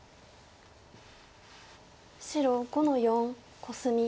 白５の四コスミ。